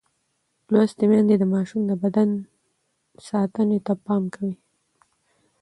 لوستې میندې د ماشوم د بدن ساتنې ته پام کوي.